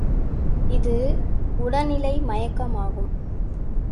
இது உடனிலை மயக்கமாகும்.